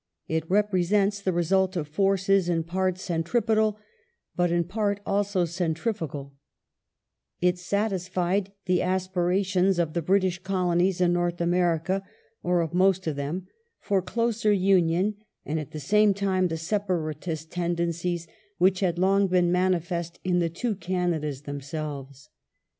It represents of ^ana^*^ the result of forces in part centripetal, but in part also centrifugal, dian It satisfied the aspirations of the British Colonies in North America ^^^^'^"^— or of most of them — for closer union, and at the same time the separatist tendencies which had long been manifest in the two Canadas themselves.